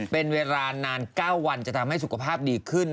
เป็นเวลานาน๙วันจะทำให้สุขภาพดีขึ้น